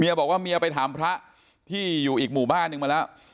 บอกว่าเมียไปถามพระที่อยู่อีกหมู่บ้านนึงมาแล้ว